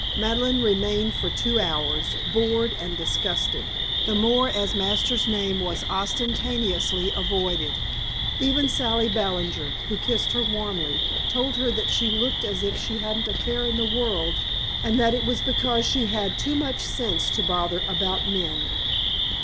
Madeleine remained for two hours, bored and disgusted, the more as Masters' name was ostentatiously avoided. Even Sally Ballinger, who kissed her warmly, told her that she looked as if she hadn't a care in the world and that it was because she had too much sense to bother about men!